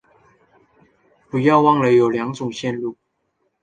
不要忘了有两种路线